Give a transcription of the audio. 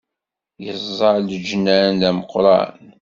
Yeẓẓa leǧnan d ameqqran